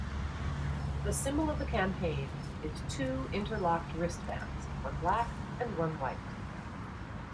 The symbol of the campaign is two interlocked wristbands, one black, and one white.